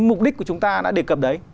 mục đích của chúng ta đã đề cập đấy